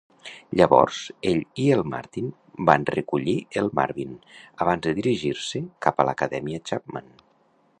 Llavors, ell i el Martin van recollir el Marvin abans de dirigir-se cap a l'Acadèmia Chapman.